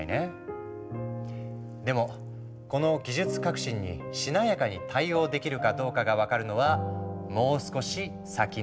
でもこの技術革新にしなやかに対応できるかどうかが分かるのはもう少し先の話。